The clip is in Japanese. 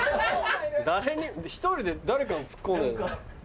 １人で誰かにツッコんでる。